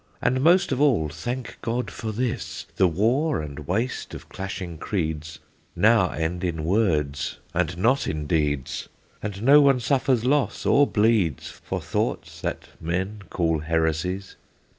And most of all thank God for this: The war and waste of clashing creeds Now end in words, and not in deeds, And no one suffers loss, or bleeds, For thoughts that men call heresies.